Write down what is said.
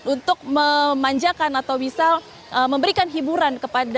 untuk memanjakan atau bisa memberikan hiburan